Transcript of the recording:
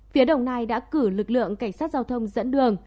phía đồng nai đã cử lực lượng cảnh sát giao thông dẫn đường